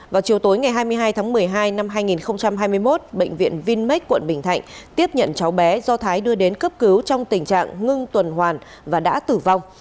vào chiều tối ngày hai mươi hai tháng một mươi hai năm hai nghìn hai mươi một bệnh viện vinmec quận bình thạnh tiếp nhận cháu bé do thái đưa đến cấp cứu trong tình trạng ngưng tuần hoàn và đã tử vong